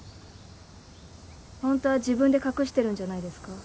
本当は自分で隠しているんじゃないですか？